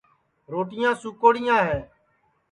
روٹِیاں سُوکوڑیاں ہے